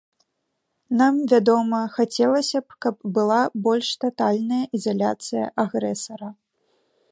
Нам, вядома, хацелася б, каб была больш татальная ізаляцыя агрэсара.